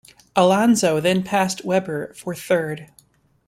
Alonso then passed Webber for third.